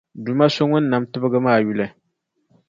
Duuma so Ŋun nam tibgi maa yuli.